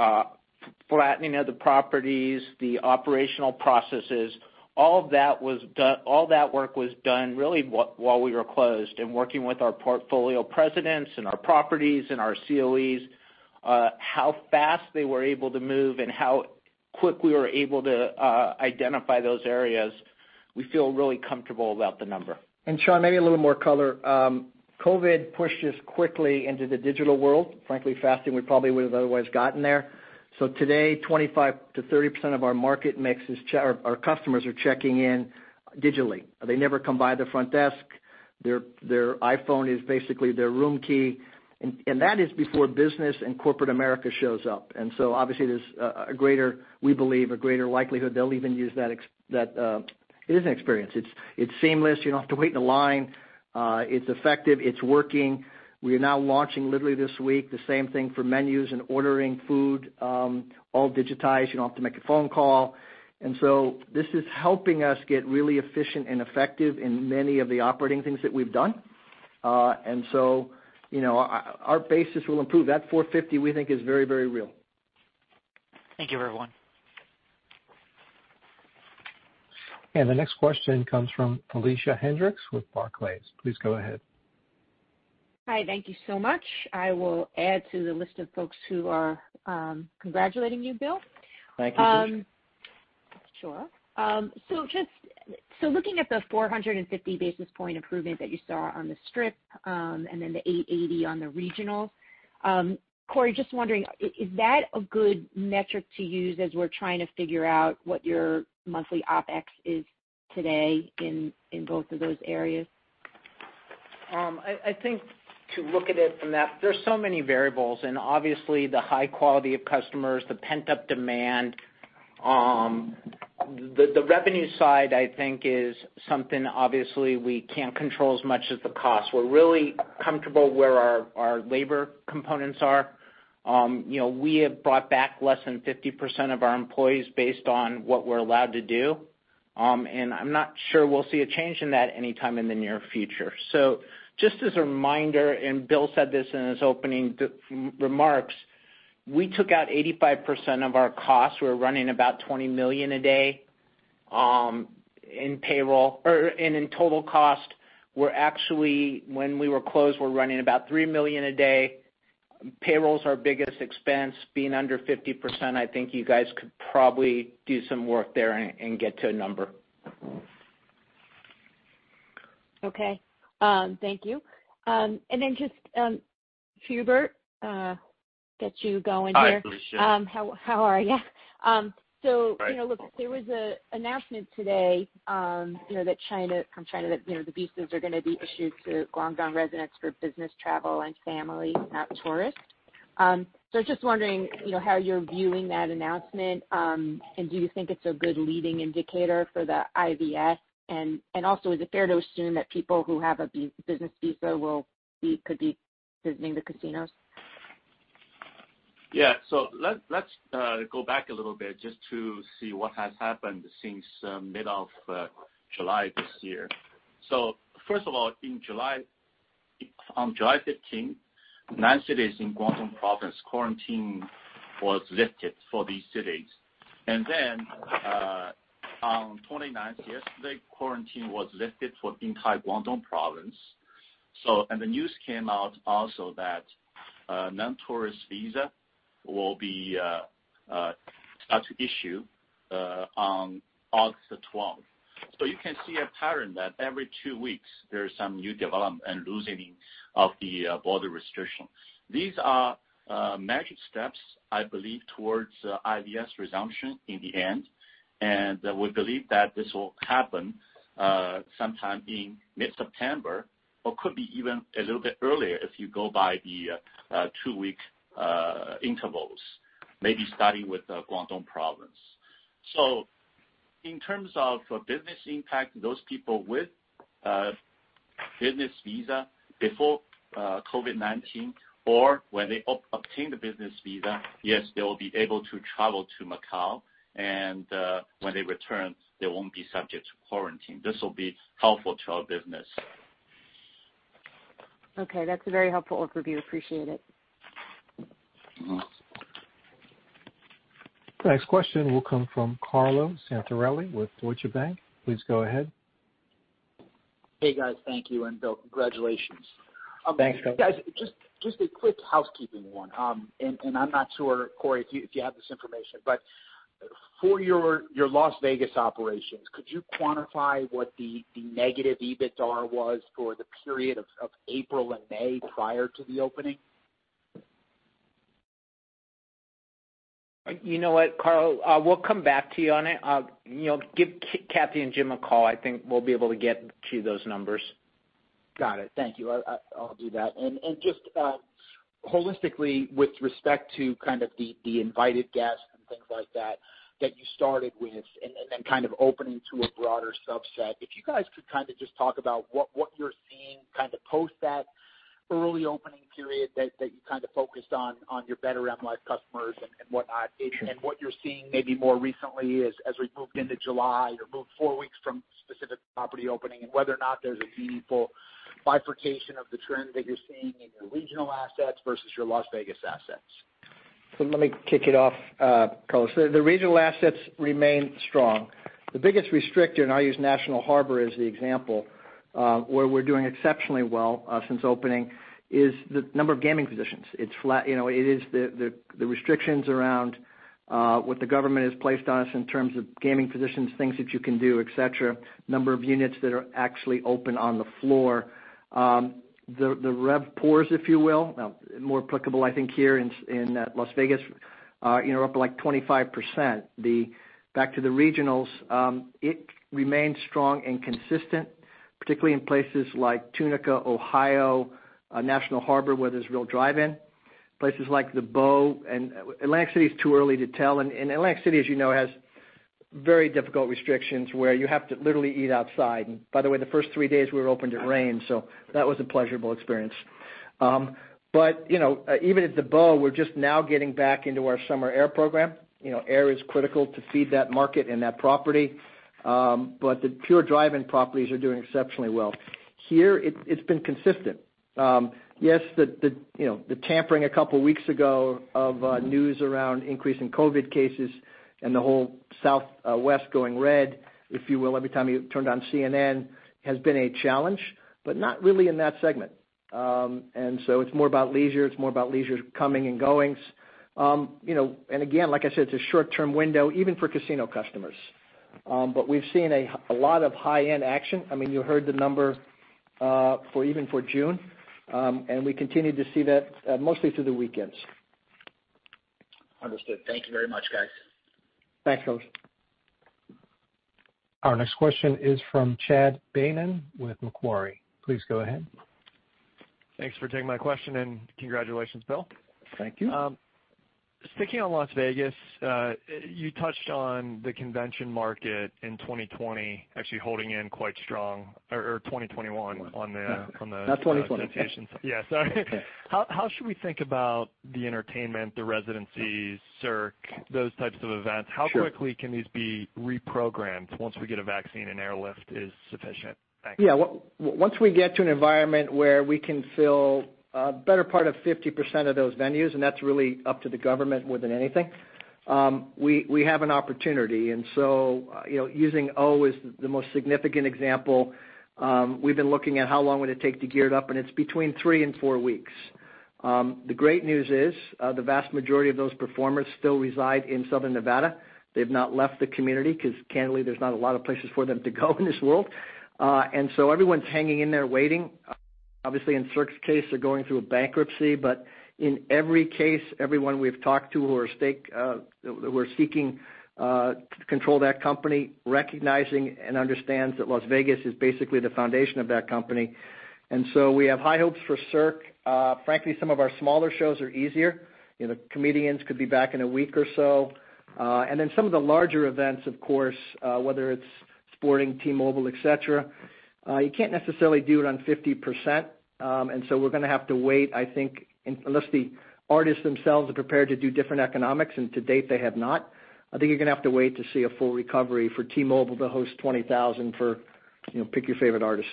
flattening of the properties, the operational processes, all that work was done really while we were closed. Working with our portfolio presidents in our properties and our COEs, how fast they were able to move and how quick we were able to identify those areas, we feel really comfortable about the number. Shaun, maybe a little more color. COVID pushed us quickly into the digital world, frankly faster than we probably would have otherwise gotten there. Today, 25%-30% of our customers are checking in digitally. They never come by the front desk. Their iPhone is basically their room key. That is before business and corporate America shows up, obviously there is, we believe, a greater likelihood they will even use that. It is an experience. It is seamless. You do not have to wait in a line. It is effective. It is working. We are now launching, literally this week, the same thing for menus and ordering food, all digitized. You do not have to make a phone call. This is helping us get really efficient and effective in many of the operating things that we have done. Our basis will improve. That $450 million we think is very real. Thank you, everyone. The next question comes from Felicia Hendrix with Barclays. Please go ahead. Hi. Thank you so much. I will add to the list of folks who are congratulating you, Bill. Thank you. Sure. Looking at the 450 basis points improvement that you saw on the Strip, and then the 880 on the regionals, Corey, just wondering, is that a good metric to use as we're trying to figure out what your monthly OpEx is today in both of those areas? I think to look at it from that, there's so many variables and obviously the high quality of customers, the pent-up demand. The revenue side, I think, is something, obviously, we can't control as much as the cost. We're really comfortable where our labor components are. We have brought back less than 50% of our employees based on what we're allowed to do. I'm not sure we'll see a change in that anytime in the near future. Just as a reminder, Bill said this in his opening remarks, we took out 85% of our costs. We're running about $20 million a day in payroll, and in total cost, we're actually, when we were closed, we're running about $3 million a day. Payroll's our biggest expense. Being under 50%, I think you guys could probably do some work there and get to a number. Okay. Thank you. Just, Hubert, get you going here. Hi, Felicia. How are you? Great. Look, there was an announcement today, from China that the visas are going to be issued to Guangdong residents for business travel and family, not tourists. Just wondering, how you're viewing that announcement, and do you think it's a good leading indicator for the IVS? Also, is it fair to assume that people who have a business visa could be visiting the casinos? Yeah. Let's go back a little bit just to see what has happened since mid of July this year. First of all, on July 15, nine cities in Guangdong Province quarantine was lifted for these cities. On the 29th, yesterday, quarantine was lifted for entire Guangdong Province. The news came out also that non-tourist visa will be start to issue on August the 12th. You can see a pattern that every two weeks there is some new development and loosening of the border restrictions. These are major steps, I believe, towards IVS resumption in the end, and we believe that this will happen sometime in mid-September or could be even a little bit earlier if you go by the two-week intervals, maybe starting with the Guangdong Province. In terms of business impact, those people with business visa before COVID-19 or when they obtain the business visa, yes, they will be able to travel to Macau and, when they return, they won't be subject to quarantine. This will be helpful to our business. Okay. That's a very helpful overview. Appreciate it. Next question will come from Carlo Santarelli with Deutsche Bank. Please go ahead. Hey, guys. Thank you. Bill, congratulations. Thanks, Carlo. Guys, just a quick housekeeping one. I'm not sure, Corey, if you have this information, but for your Las Vegas operations, could you quantify what the negative EBITDA was for the period of April and May prior to the opening? You know what, Carlo? We'll come back to you on it. Give Kathy and Jim a call. I think we'll be able to get to those numbers. Got it. Thank you. I'll do that. Just holistically, with respect to kind of the invited guests and things like that that you started with, and then kind of opening to a broader subset, if you guys could kind of just talk about what you're seeing kind of post that early opening period that you kind of focused on your better M life customers and whatnot. What you're seeing maybe more recently as we've moved into July or moved four weeks from specific property opening, and whether or not there's a meaningful bifurcation of the trend that you're seeing in your regional assets versus your Las Vegas assets. Let me kick it off, Carlo. The regional assets remain strong. The biggest restrictor, and I use National Harbor as the example, where we're doing exceptionally well since opening, is the number of gaming positions. It is the restrictions around what the government has placed on us in terms of gaming positions, things that you can do, et cetera, number of units that are actually open on the floor. The RevPARs, if you will, more applicable, I think, here in Las Vegas, are up like 25%. Back to the regionals, it remains strong and consistent, particularly in places like Tunica, Ohio, National Harbor, where there's real drive-in. Places like the Beau Rivage. Atlantic City is too early to tell. Atlantic City, as you know, has very difficult restrictions where you have to literally eat outside. By the way, the first three days we were open, it rained, so that was a pleasurable experience. Even at the Beau Rivage, we're just now getting back into our summer air program. Air is critical to feed that market and that property. The pure drive-in properties are doing exceptionally well. Here, it's been consistent. Yes, the tampering a couple of weeks ago of news around increase in COVID cases and the whole Southwest going red, if you will, every time you turned on CNN, has been a challenge, but not really in that segment. It's more about leisure. It's more about leisure comings and goings. Again, like I said, it's a short-term window, even for casino customers. We've seen a lot of high-end action. You heard the number even for June, and we continue to see that mostly through the weekends. Understood. Thank you very much, guys. Thanks, Carlo. Our next question is from Chad Beynon with Macquarie. Please go ahead. Thanks for taking my question, and congratulations, Bill. Thank you. Sticking on Las Vegas, you touched on the convention market in 2020 actually holding in quite strong, or 2021 on the. Not 2020. conventions. Yeah, sorry. How should we think about the entertainment, the residencies, Cirque, those types of events? Sure. How quickly can these be reprogrammed once we get a vaccine and airlift is sufficient? Thanks. Yeah. Once we get to an environment where we can fill a better part of 50% of those venues, and that's really up to the government more than anything, we have an opportunity. Using O as the most significant example, we've been looking at how long would it take to gear it up, and it's between three and four weeks. The great news is, the vast majority of those performers still reside in southern Nevada. They've not left the community because, candidly, there's not a lot of places for them to go in this world. Everyone's hanging in there waiting. Obviously, in Cirque's case, they're going through a bankruptcy. In every case, everyone we've talked to who are seeking control of that company, recognizing and understands that Las Vegas is basically the foundation of that company. We have high hopes for Cirque. Frankly, some of our smaller shows are easier. The comedians could be back in a week or so. Some of the larger events, of course, whether it's sporting, T-Mobile, et cetera, you can't necessarily do it on 50%, and so we're going to have to wait, I think, unless the artists themselves are prepared to do different economics, and to date, they have not. I think you're going to have to wait to see a full recovery for T-Mobile to host 20,000 for pick your favorite artist.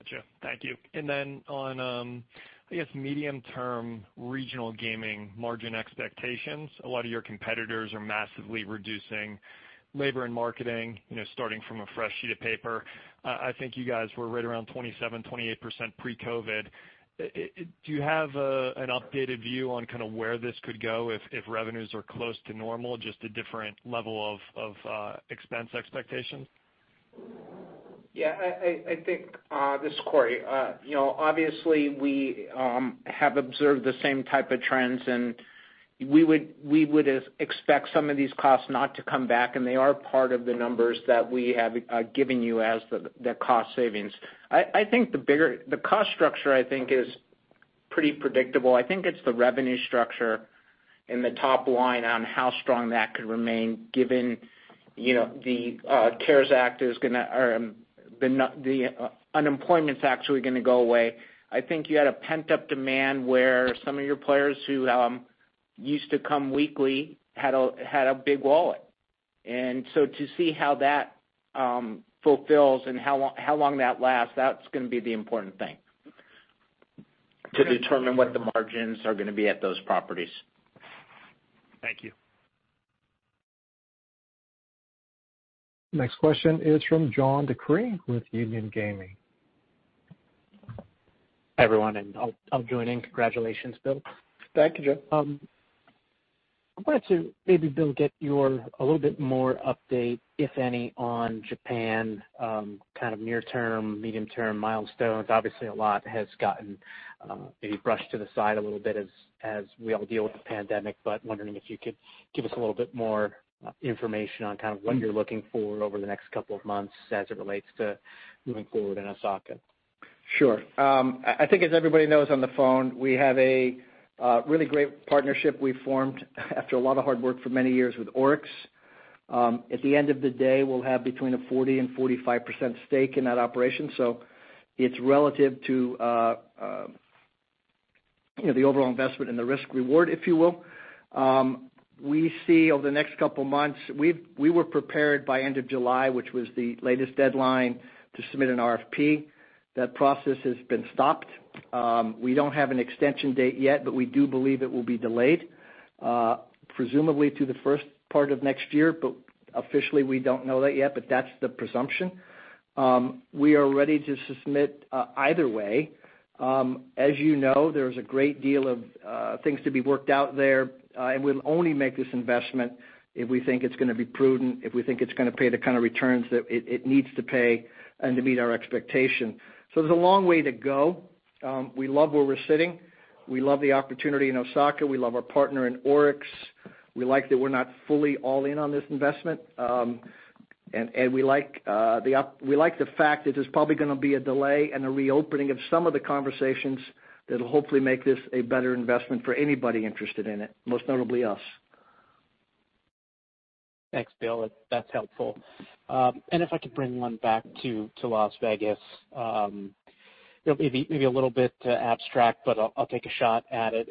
Gotcha. Thank you. Then on, I guess, medium-term regional gaming margin expectations, a lot of your competitors are massively reducing labor and marketing, starting from a fresh sheet of paper. I think you guys were right around 27%, 28% pre-COVID. Do you have an updated view on kind of where this could go if revenues are close to normal, just a different level of expense expectations? Yeah. This is Corey. Obviously, we have observed the same type of trends, and we would expect some of these costs not to come back, and they are part of the numbers that we have given you as the cost savings. The cost structure, I think, is pretty predictable. I think it's the revenue structure and the top line on how strong that could remain given the unemployment checks really going to go away. I think you had a pent-up demand where some of your players who used to come weekly had a big wallet. To see how that fulfills and how long that lasts, that's going to be the important thing. To determine what the margins are going to be at those properties. Thank you. Next question is from John DeCree with Union Gaming. Everyone, I'll join in. Congratulations, Bill. Thank you, John. I wanted to maybe, Bill, get your a little bit more update, if any, on Japan, kind of near term, medium term milestones. Obviously, a lot has gotten maybe brushed to the side a little bit as we all deal with the pandemic. Wondering if you could give us a little bit more information on kind of what you're looking for over the next couple of months as it relates to moving forward in Osaka. Sure. I think as everybody knows on the phone, we have a really great partnership we formed after a lot of hard work for many years with ORIX. At the end of the day, we'll have between a 40% and 45% stake in that operation. It's relative to the overall investment and the risk reward, if you will. We see over the next couple of months, we were prepared by end of July, which was the latest deadline to submit an RFP. That process has been stopped. We don't have an extension date yet. We do believe it will be delayed, presumably to the first part of next year. Officially, we don't know that yet, but that's the presumption. We are ready to submit either way. As you know, there's a great deal of things to be worked out there. We'll only make this investment if we think it's going to be prudent, if we think it's going to pay the kind of returns that it needs to pay and to meet our expectation. There's a long way to go. We love where we're sitting. We love the opportunity in Osaka. We love our partner in ORIX. We like that we're not fully all in on this investment. We like the fact that there's probably going to be a delay and a reopening of some of the conversations that'll hopefully make this a better investment for anybody interested in it, most notably us. Thanks, Bill. That's helpful. If I could bring one back to Las Vegas. It'll be maybe a little bit abstract, but I'll take a shot at it.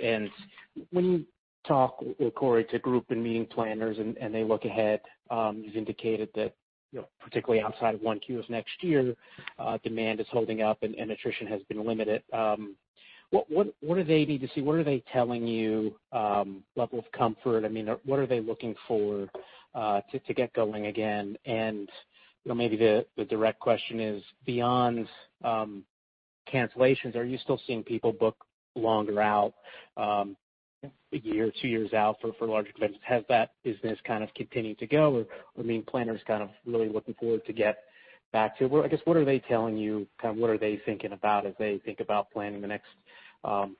When you talk, Corey, to group and meeting planners and they look ahead, you've indicated that particularly outside of 1Q of next year, demand is holding up and attrition has been limited. What do they need to see? What are they telling you, level of comfort? I mean, what are they looking for to get going again? Maybe the direct question is beyond cancellations, are you still seeing people book longer out, a year or two years out for larger events? Has that business kind of continued to go with meeting planners kind of really looking forward to get back to work? I guess, what are they telling you? What are they thinking about as they think about planning the next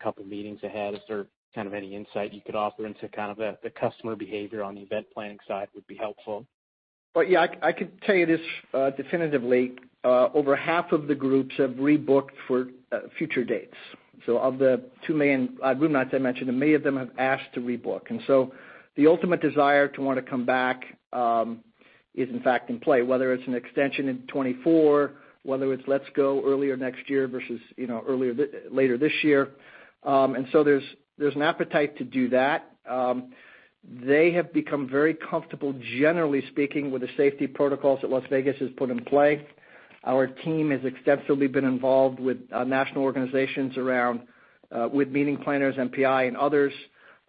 couple meetings ahead? Is there kind of any insight you could offer into kind of the customer behavior on the event planning side would be helpful? Well, yeah, I could tell you this definitively. Over half of the groups have rebooked for future dates. Of the 2 million room nights I mentioned, many of them have asked to rebook. The ultimate desire to want to come back is in fact in play, whether it's an extension in 2024, whether it's let's go earlier next year versus later this year. There's an appetite to do that. They have become very comfortable, generally speaking, with the safety protocols that Las Vegas has put in play. Our team has extensively been involved with national organizations around with meeting planners, MPI, and others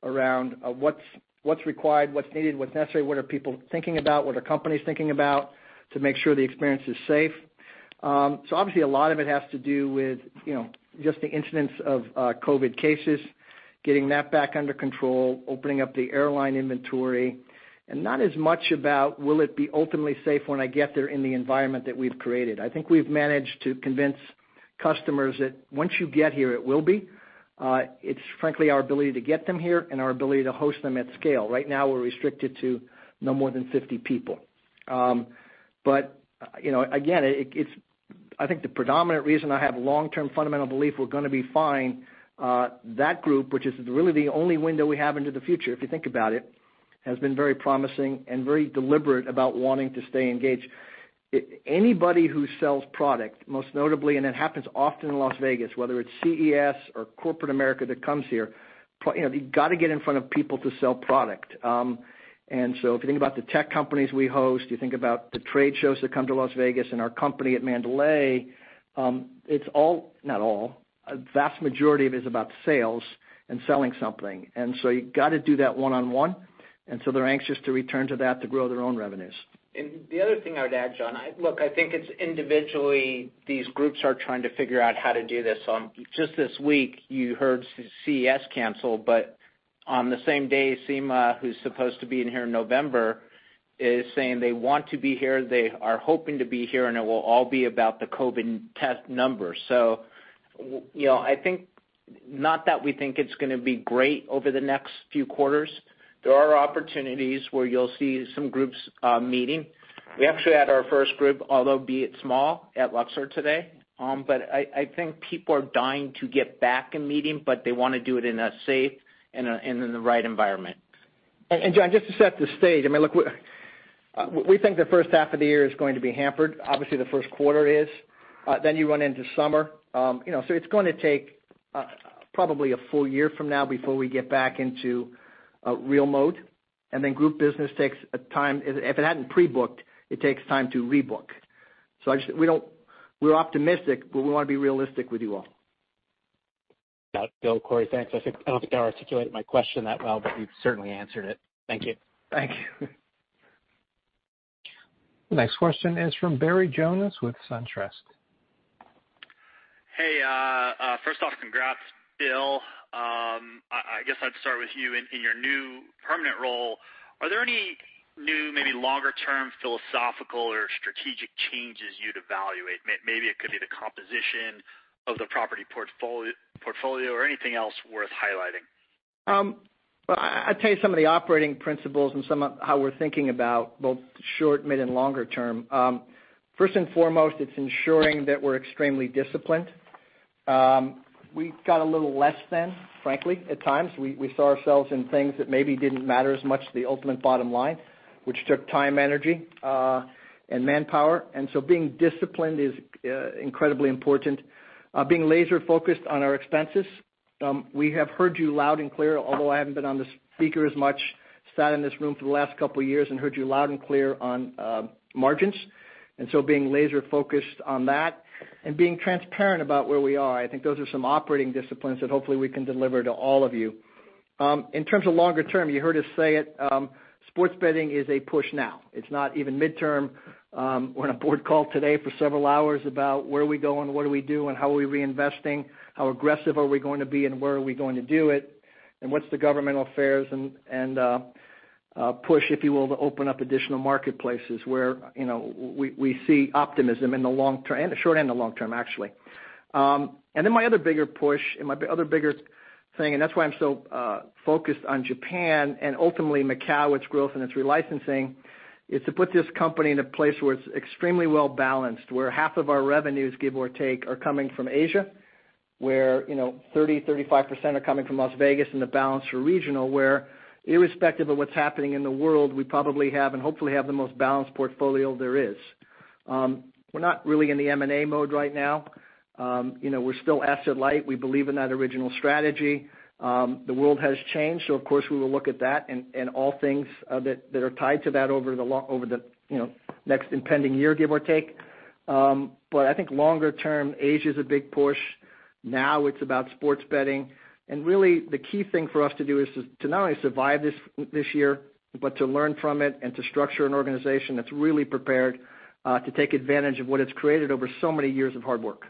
around what's required, what's needed, what's necessary, what are people thinking about, what are companies thinking about to make sure the experience is safe. Obviously, a lot of it has to do with just the incidence of COVID cases, getting that back under control, opening up the airline inventory, and not as much about will it be ultimately safe when I get there in the environment that we've created. I think we've managed to convince customers that once you get here, it will be. It's frankly our ability to get them here and our ability to host them at scale. Right now, we're restricted to no more than 50 people. Again, I think the predominant reason I have long-term fundamental belief we're going to be fine, that group, which is really the only window we have into the future, if you think about it, has been very promising and very deliberate about wanting to stay engaged. Anybody who sells product, most notably, and it happens often in Las Vegas, whether it's CES or corporate America that comes here, you got to get in front of people to sell product. If you think about the tech companies we host, you think about the trade shows that come to Las Vegas and our company at Mandalay, it's all, not all, a vast majority of it is about sales and selling something. You got to do that one-on-one. They're anxious to return to that to grow their own revenues. The other thing I would add, John, look, I think it's individually, these groups are trying to figure out how to do this. Just this week, you heard CES cancel, but on the same day, SEMA, who's supposed to be in here in November, is saying they want to be here. They are hoping to be here, and it will all be about the COVID test numbers. I think not that we think it's going to be great over the next few quarters. There are opportunities where you'll see some groups meeting. We actually had our first group, although be it small, at Luxor today. I think people are dying to get back in meeting, but they want to do it in a safe and in the right environment. John, just to set the stage, I mean, look, we think the first half of the year is going to be hampered. Obviously, the first quarter is. You run into summer. It's going to take probably a full year from now before we get back into real mode. Group business takes time. If it hadn't pre-booked, it takes time to rebook. We're optimistic, but we want to be realistic with you all. Got it, Bill, Corey, thanks. I don't think I articulated my question that well, but you've certainly answered it. Thank you. Thank you. The next question is from Barry Jonas with SunTrust. Hey, first off, congrats, Bill. I guess I'd start with you in your new permanent role. Are there any new, maybe longer-term philosophical or strategic changes you'd evaluate? Maybe it could be the composition of the property portfolio or anything else worth highlighting. Well, I'd tell you some of the operating principles and some of how we're thinking about both short, mid, and longer term. First and foremost, it's ensuring that we're extremely disciplined. We got a little less than, frankly, at times. We saw ourselves in things that maybe didn't matter as much, the ultimate bottom line, which took time, energy, and manpower. Being disciplined is incredibly important. Being laser-focused on our expenses. We have heard you loud and clear, although I haven't been on the speaker as much, sat in this room for the last couple of years and heard you loud and clear on margins. Being laser-focused on that and being transparent about where we are, I think those are some operating disciplines that hopefully we can deliver to all of you. In terms of longer term, you heard us say it, sports betting is a push now. It's not even midterm. We're in a board call today for several hours about where are we going, what do we do, and how are we reinvesting, how aggressive are we going to be, and where are we going to do it, and what's the governmental affairs and push, if you will, to open up additional marketplaces where we see optimism in the short and the long term, actually. My other bigger push and my other bigger thing, and that's why I'm so focused on Japan and ultimately Macau, its growth, and its relicensing, is to put this company in a place where it's extremely well-balanced, where half of our revenues, give or take, are coming from Asia, where 30%, 35% are coming from Las Vegas and the balance are regional, where irrespective of what's happening in the world, we probably have and hopefully have the most balanced portfolio there is. We're not really in the M&A mode right now. We're still asset light. We believe in that original strategy. The world has changed, so of course, we will look at that and all things that are tied to that over the next impending year, give or take. I think longer term, Asia is a big push. Now it's about sports betting. Really, the key thing for us to do is to not only survive this year, but to learn from it and to structure an organization that's really prepared to take advantage of what it's created over so many years of hard work.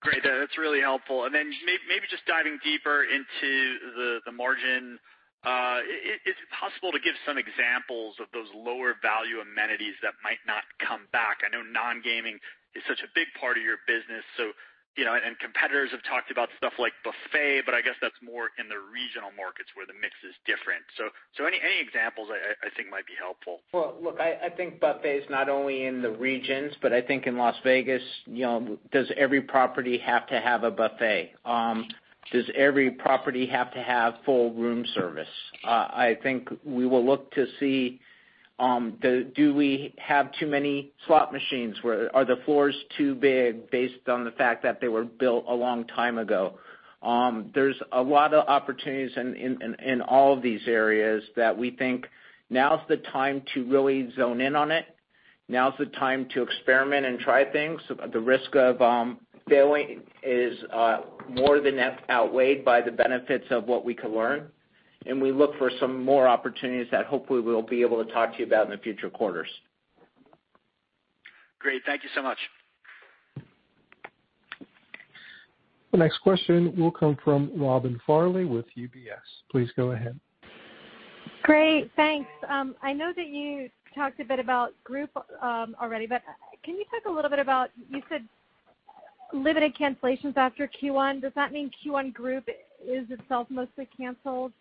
Great. That's really helpful. Then maybe just diving deeper into the margin. Is it possible to give some examples of those lower value amenities that might not come back? I know non-gaming is such a big part of your business. Competitors have talked about stuff like buffet, but I guess that's more in the regional markets where the mix is different. Any examples I think might be helpful. Well, look, I think buffet is not only in the regions, but I think in Las Vegas, does every property have to have a buffet? Does every property have to have full room service? I think we will look to see, do we have too many slot machines? Are the floors too big based on the fact that they were built a long time ago? There's a lot of opportunities in all of these areas that we think now's the time to really zone in on it. Now's the time to experiment and try things. The risk of failing is more than outweighed by the benefits of what we can learn. We look for some more opportunities that hopefully we'll be able to talk to you about in the future quarters. Great. Thank you so much. The next question will come from Robin Farley with UBS. Please go ahead. Great, thanks. I know that you talked a bit about group already, but can you talk a little bit about, you said limited cancellations after Q1. Does that mean Q1 group is itself mostly canceled?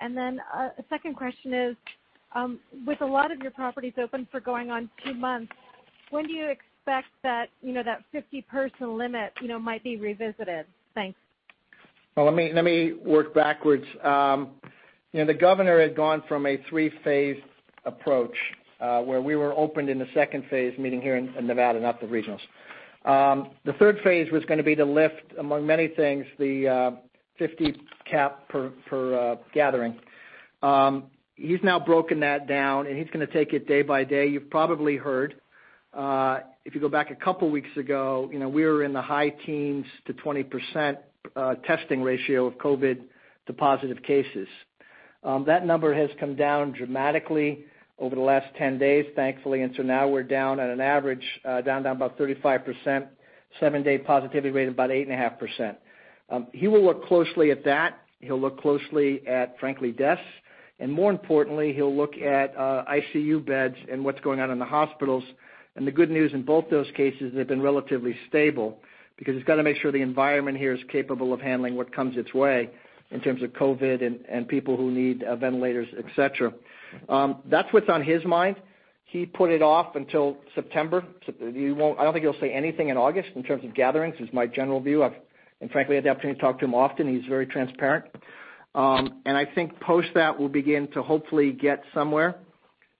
A second question is, with a lot of your properties open for going on two months, when do you expect that 50 person limit might be revisited? Thanks. Well, let me work backwards. The governor had gone from a three-phase approach, where we were opened in the second phase, meaning here in Nevada, not the regionals. The third phase was going to be to lift, among many things, the 50 cap per gathering. He's now broken that down, and he's going to take it day by day. You've probably heard, if you go back a couple weeks ago, we were in the high teens to 20% testing ratio of COVID to positive cases. That number has come down dramatically over the last 10 days, thankfully. Now we're down at an average, down to about 35%, seven-day positivity rate of about 8.5%. He will look closely at that. He'll look closely at, frankly, deaths. More importantly, he'll look at ICU beds and what's going on in the hospitals. The good news in both those cases, they've been relatively stable because he's got to make sure the environment here is capable of handling what comes its way in terms of COVID and people who need ventilators, et cetera. That's what's on his mind. He put it off until September. I don't think he'll say anything in August in terms of gatherings is my general view. Frankly, I've had the opportunity to talk to him often. He's very transparent. I think post that, we'll begin to hopefully get somewhere.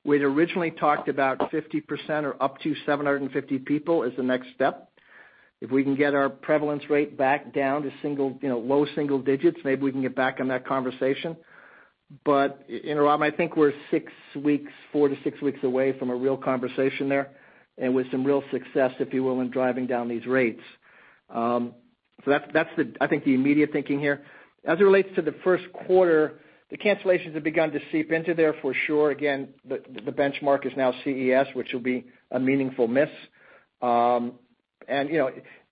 We'd originally talked about 50% or up to 750 people as the next step. If we can get our prevalence rate back down to low single digits, maybe we can get back on that conversation. In a while, I think we're four to six weeks away from a real conversation there, and with some real success, if you will, in driving down these rates. That's, I think, the immediate thinking here. As it relates to the first quarter, the cancellations have begun to seep into there for sure. Again, the benchmark is now CES, which will be a meaningful miss.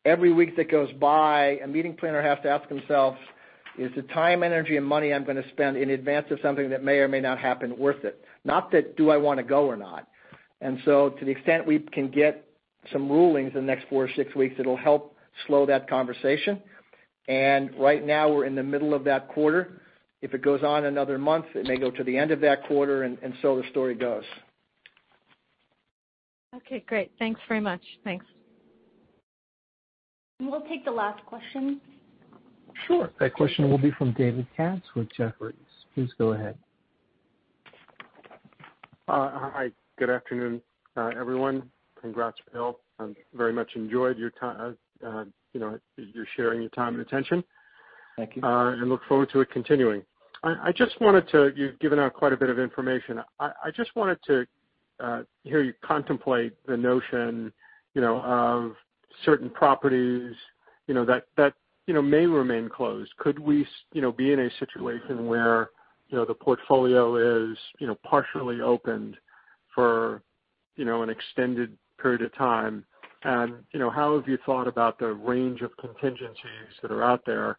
Every week that goes by, a meeting planner has to ask themselves, "Is the time, energy, and money I'm going to spend in advance of something that may or may not happen worth it?" Not that, "Do I want to go or not?" To the extent we can get some rulings in the next four or six weeks, it'll help slow that conversation. Right now, we're in the middle of that quarter. If it goes on another month, it may go to the end of that quarter, and so the story goes. Okay, great. Thanks very much. Thanks. We'll take the last question. Sure. That question will be from David Katz with Jefferies. Please go ahead. Hi, good afternoon, everyone. Congrats, Bill. I very much enjoyed your sharing, your time, and attention. Thank you. Look forward to it continuing. You've given out quite a bit of information. I just wanted to hear you contemplate the notion of certain properties that may remain closed. Could we be in a situation where the portfolio is partially opened for an extended period of time? How have you thought about the range of contingencies that are out there,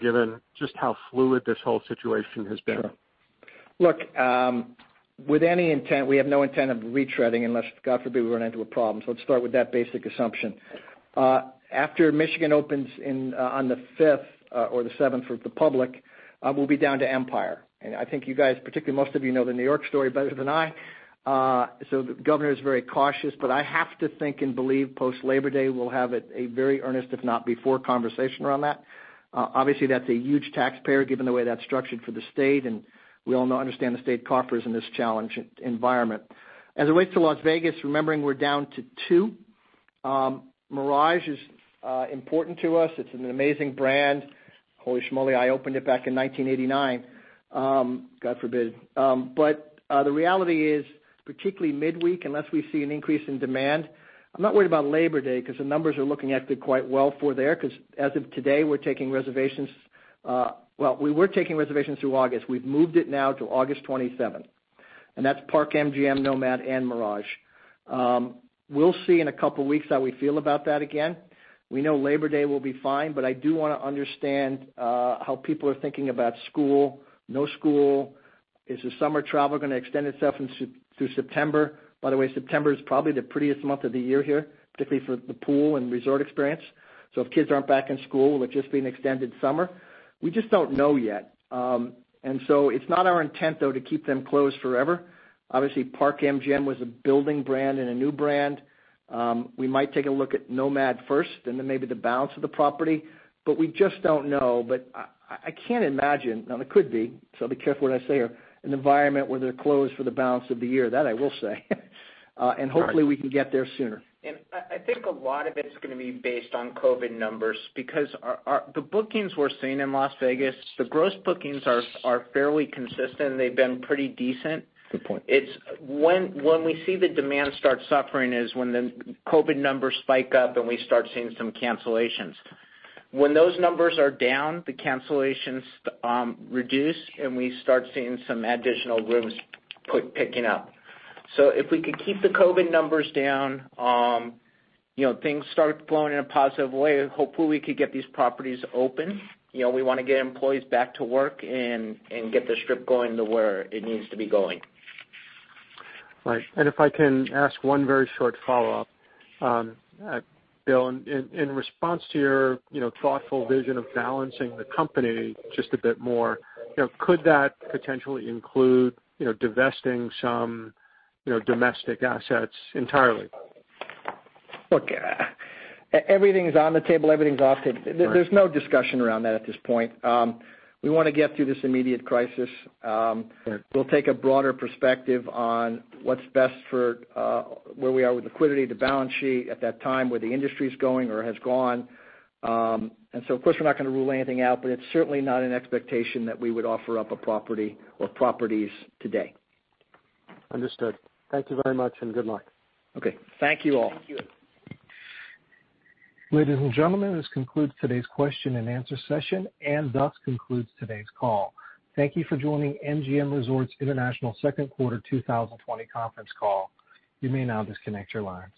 given just how fluid this whole situation has been? Sure. Look, with any intent, we have no intent of retreading unless, God forbid, we run into a problem. Let's start with that basic assumption. After Michigan opens on the 5th or the 7th for the public, we'll be down to Empire. I think you guys, particularly most of you, know the New York story better than I. The governor is very cautious, but I have to think and believe post-Labor Day, we'll have a very earnest, if not before, conversation around that. Obviously, that's a huge taxpayer, given the way that's structured for the state, and we all know, understand the state coffers in this challenge environment. As it relates to Las Vegas, remembering we're down to two. Mirage is important to us. It's an amazing brand. Holy schmoly, I opened it back in 1989. God forbid. The reality is, particularly midweek, unless we see an increase in demand, I'm not worried about Labor Day because the numbers are looking actually quite well for there, because as of today, we're taking reservations. Well, we were taking reservations through August. We've moved it now to August 27th, and that's Park MGM, NoMad, and Mirage. We'll see in a couple of weeks how we feel about that again. We know Labor Day will be fine. I do want to understand how people are thinking about school, no school. Is the summer travel going to extend itself through September? By the way, September is probably the prettiest month of the year here, particularly for the pool and resort experience. If kids aren't back in school, will it just be an extended summer? We just don't know yet. It's not our intent, though, to keep them closed forever. Obviously, Park MGM was a building brand and a new brand. We might take a look at NoMad first and then maybe the balance of the property, but we just don't know. I can't imagine, now it could be, so I'll be careful what I say here, an environment where they're closed for the balance of the year. That I will say. Hopefully we can get there sooner. I think a lot of it's going to be based on COVID numbers because the bookings we're seeing in Las Vegas, the gross bookings are fairly consistent and they've been pretty decent. Good point. When we see the demand start suffering is when the COVID numbers spike up and we start seeing some cancellations. When those numbers are down, the cancellations reduce, and we start seeing some additional rooms picking up. If we could keep the COVID numbers down, things start flowing in a positive way, hopefully we could get these properties open. We want to get employees back to work and get the Strip going to where it needs to be going. Right. If I can ask one very short follow-up. Bill, in response to your thoughtful vision of balancing the company just a bit more, could that potentially include divesting some domestic assets entirely? Look, everything's on the table. There's no discussion around that at this point. We want to get through this immediate crisis. Sure. We'll take a broader perspective on what's best for where we are with liquidity, the balance sheet at that time, where the industry's going or has gone. Of course, we're not going to rule anything out, but it's certainly not an expectation that we would offer up a property or properties today. Understood. Thank you very much, and good luck. Okay. Thank you all. Thank you. Ladies and gentlemen, this concludes today's question and answer session, and thus concludes today's call. Thank you for joining MGM Resorts International second quarter 2020 conference call. You may now disconnect your lines.